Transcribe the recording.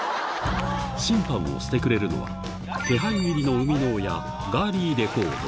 審判をしてくれるのは、気配斬りの生みの親、ガーリィレコード。